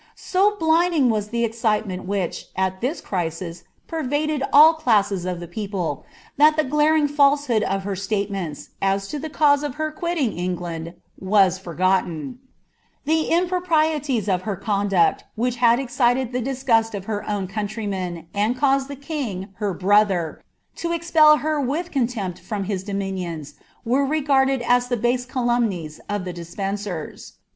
So blinding was the excitement which, at this crisis, pervaded all lasses of the people, that the glaring falsehood of her statements, as to le cause of her quitting Engknd, was forgotten ; the improprieties of er eoodnct, which had excited the disgust of her own countrymen, and rased the king, her brother, to expel her with contempt from his domi ions, were regarded as the base calumnies of the Despencers.